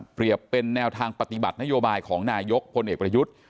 เป็นแนวทางปฏิบัตินโยบายของนายกพลเอกประยุทธ์